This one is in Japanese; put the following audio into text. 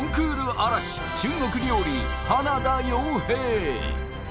荒らし中国料理花田洋平